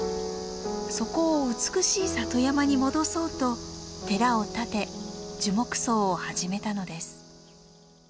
そこを美しい里山に戻そうと寺を建て樹木葬を始めたのです。